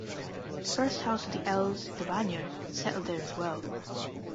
The first house of the Elves, the Vanyar, settled there as well.